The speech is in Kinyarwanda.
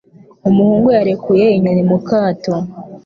Umuhungu yarekuye inyoni mu kato.